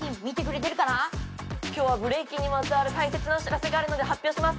今日はブレイキンにまつわるたいせつなお知らせがあるので発表します。